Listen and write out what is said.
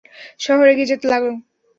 শহর এগিয়ে যেতে লাগলো।